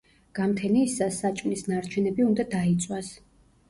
გამთენიისას საჭმლის ნარჩენები უნდა დაიწვას.